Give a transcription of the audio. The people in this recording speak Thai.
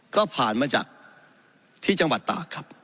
ก็ผ่านมาจากที่จังหวัดตากครับ